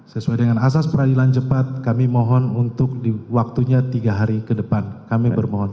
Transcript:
sesuai dengan asas peradilan cepat kami mohon untuk di waktunya tiga hari ke depan kami bermohon